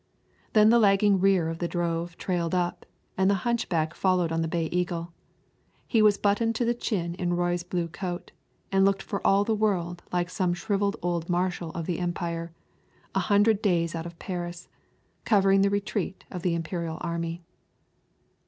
Then the lagging rear of the drove trailed up, and the hunchback followed on the Bay Eagle. He was buttoned to the chin in Roy's blue coat and looked for all the world like some shrivelled old marshal of the empire, a hundred days out of Paris, covering the retreat of the imperial army.